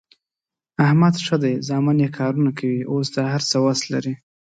احمد ښه دی زامن یې کارونه کوي، اوس د هر څه وس لري.